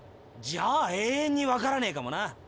じゃあ永遠にわからねえかもな。